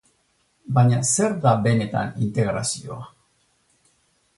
Baina zer da benetan integrazioa?